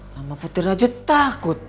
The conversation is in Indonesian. sama petir aja takut